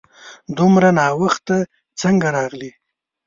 دومره ناوخته څنګه راغلې ؟